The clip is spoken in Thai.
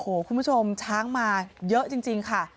โอ้โหคุณผู้ชมช้างมาเยอะจริงค่ะ